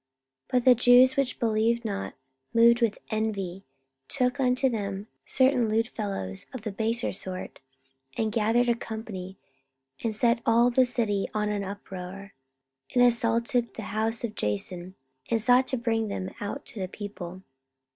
44:017:005 But the Jews which believed not, moved with envy, took unto them certain lewd fellows of the baser sort, and gathered a company, and set all the city on an uproar, and assaulted the house of Jason, and sought to bring them out to the people.